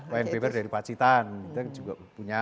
wayan beber dari pacitan kita juga punya